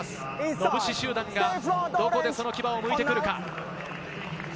野武士集団がどこでその牙をむいてくるか？